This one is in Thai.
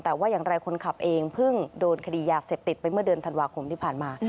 แต่ว่าอย่างไรคนขับเองเพิ่งโดนคดียาเสพติดไปเมื่อเดือนธันวาคมที่ผ่านมา